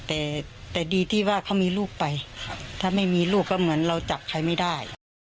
แต่ดีที่ว่าเขามีลูกไปถ้าไม่มีลูกก็เหมือนเราจับใครไม่ได้